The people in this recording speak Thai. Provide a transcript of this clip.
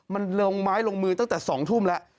มันลงไม้ลงมือตั้งแต่๒ทุ่มแล้ว